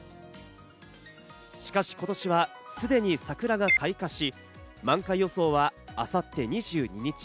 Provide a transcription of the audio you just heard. しかし今年はすでに桜が開花し、満開予想は明後日２２日。